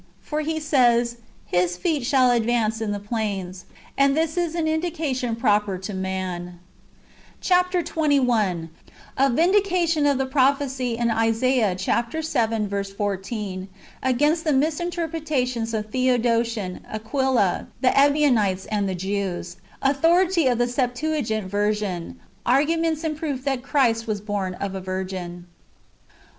For he says, ' His feet shall advance in the plains :" and this is an indication proper to man.^ Chap. xxi. — ^1 vindication of the i^vophecy in Isaiah (vii. 14) against the misinterpretations of Theodotion, Agiiila, the Ehionites, and the Jews. Authority of the Septuagint ver sion. Arguments in proof that Christ icas horn of a virgin.